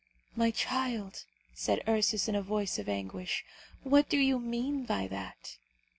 "My child," said Ursus in a voice of anguish, "what do you mean by that?"